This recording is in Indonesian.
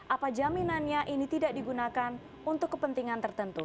apa jaminannya ini tidak digunakan untuk kepentingan tertentu